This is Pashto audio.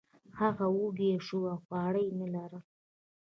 هغه وږی شو او خواړه یې نه لرل.